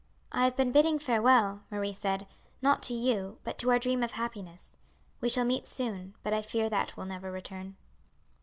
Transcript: "I have been bidding farewell," Marie said, "not to you, but to our dream of happiness. We shall meet soon, but I fear that will never return."